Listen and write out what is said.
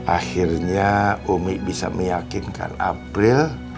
akhirnya umi bisa meyakinkan april